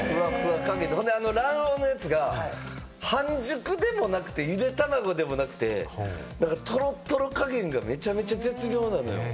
あの卵黄のやつが半熟でもなくて、ゆで卵でもなくて、トロットロ加減がめちゃめちゃ絶妙なのよ。